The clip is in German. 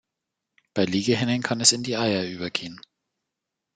Bei Legehennen kann es in die Eier übergehen.